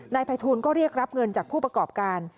นายภัยทูลก็เรียกรับเงินจากผู้ประกอบการ